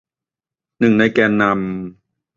หนึ่งในแกนนำ